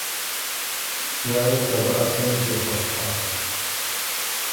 یا يې ته رۀ ا څېن ݭيې خوش هۀ۔